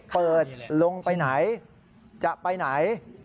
เปิดลงไปไหนจะไปไหน